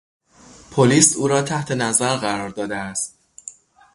پلیس او را تحت نظر قرار داده است.